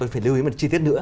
phải lưu ý một chi tiết nữa